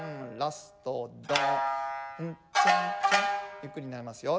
ゆっくりになりますよ。